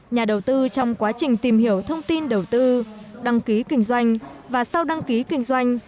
nhà đầu tư trong quá trình tìm hiểu thông tin đầu tư đăng ký kinh doanh và sau đăng ký kinh doanh